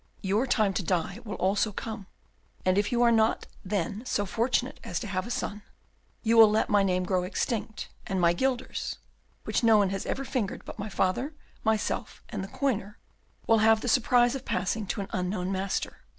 Your time to die will also come; and if you are not then so fortunate as to have a son, you will let my name grow extinct, and my guilders, which no one has ever fingered but my father, myself, and the coiner, will have the surprise of passing to an unknown master.